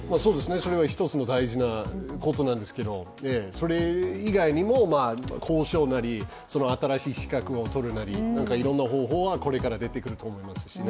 それは一つの大事なことなんですけどそれ以外にも講習や新しい資格を取るなどいろんな方法はこれから出てくると思いますね。